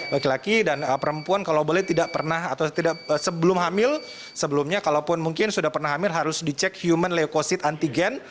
laki laki dan perempuan kalau boleh tidak pernah atau tidak sebelum hamil sebelumnya kalaupun mungkin sudah pernah hamil harus dicek human leukosid antigen